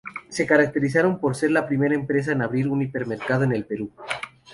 Se caracterizaron por ser la primera empresa en abrir un hipermercado en el Perú.